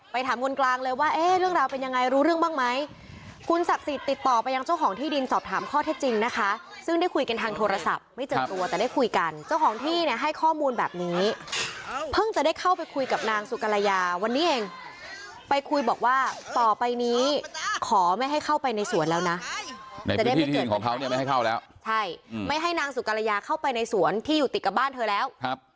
ไปถามวนกลางเลยว่าเรื่องราวเป็นยังไงรู้เรื่องบ้างไหมคุณศักดิ์สิทธิ์ติดต่อไปยังเจ้าของที่ดินสอบถามข้อเท็จจริงนะคะซึ่งได้คุยกันทางโทรศัพท์ไม่เจอตัวแต่ได้คุยกันเจ้าของที่เนี่ยให้ข้อมูลแบบนี้เพิ่งจะได้เข้าไปคุยกับนางสุกรายาวันนี้เองไปคุยบอกว่าต่อไปนี้ขอไม่ให้เข้าไปในสวนแล้ว